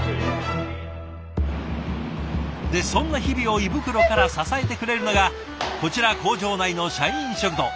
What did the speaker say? でそんな日々を胃袋から支えてくれるのがこちら工場内の社員食堂。